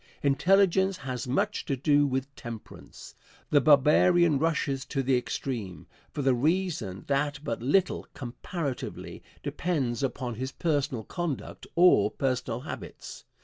Intelligence has much to do with temperance. The barbarian rushes to the extreme, for the reason that but little, comparatively, depends upon his personal conduct or personal habits.